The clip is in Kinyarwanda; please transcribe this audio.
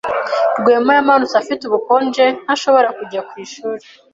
Rwema yamanutse afite ubukonje ntashobora kujya ku ishuri.